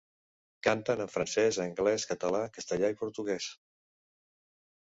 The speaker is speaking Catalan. Canten en francès, anglès, català, castellà i portuguès.